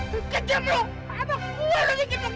di sana noh dekat kebun